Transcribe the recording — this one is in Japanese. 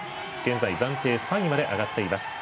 暫定３位まで上がっています。